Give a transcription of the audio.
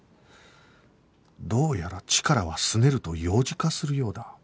どうやらチカラはすねると幼児化するようだ